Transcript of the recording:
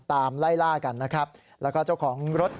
ไล่ล่ากันนะครับแล้วก็เจ้าของรถ